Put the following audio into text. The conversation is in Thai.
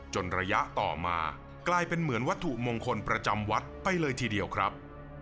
ระยะต่อมากลายเป็นเหมือนวัตถุมงคลประจำวัดไปเลยทีเดียวครับ